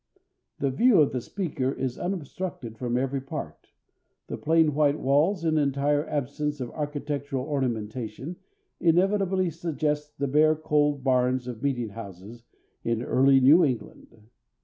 The view of the speaker is unobstructed from every part. The plain white walls and entire absence of architectural ornamentation inevitably suggest the bare cold barns of meeting houses in early New England.